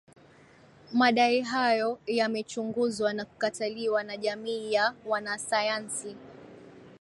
madai hayo yamechunguzwa na kukataliwa na jamii ya wanasayansi